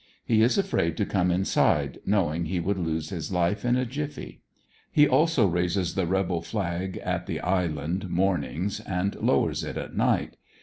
He is afraid to come inside, knowiug he would lose his life in a jiffy. He also ^ aises the rebel flag at the island mornings, and lowers it at night..